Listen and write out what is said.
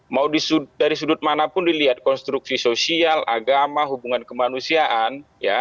mau dari sudut manapun dilihat konstruksi sosial agama hubungan kemanusiaan